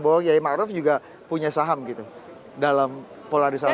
bahwa kiai maruf juga punya saham gitu dalam polarisasi